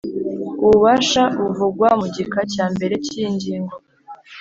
Ububasha buvugwa mu gika cya mbere cy iyi ngingo